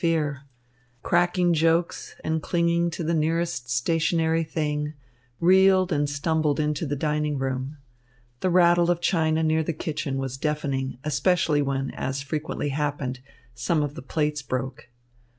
The passengers, cracking jokes and clinging to the nearest stationary thing, reeled and stumbled into the dining room. The rattle of china near the kitchen was deafening, especially when, as frequently happened, some of the plates broke.